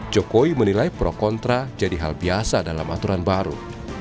jokowi menilai pro kontra jadi hal biasa dalam aturan baru